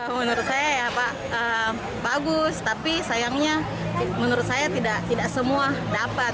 menurut saya ya pak bagus tapi sayangnya menurut saya tidak semua dapat